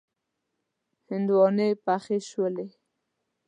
هندواڼی پخې شولې.